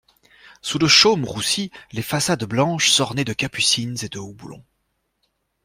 Sous le chaume roussi, les façades blanches s'ornaient de capucines et de houblon.